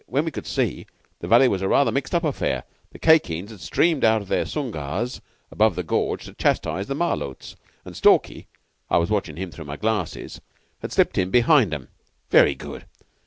When we could see, the valley was rather a mixed up affair. The Khye Kheens had streamed out of their sungars above the gorge to chastise the Malôts, and Stalky I was watching him through my glasses had slipped in behind 'em. Very good.